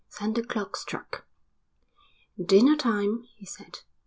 Then the clock struck. "Dinner time," he said.